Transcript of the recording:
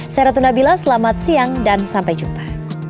saya ratunda bila selamat siang dan sampai jumpa